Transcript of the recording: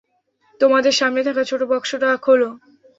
তোমাদের সামনে থাকা ছোট বক্সটা খোলো।